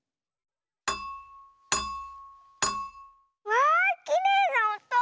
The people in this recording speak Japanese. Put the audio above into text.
わあきれいなおと。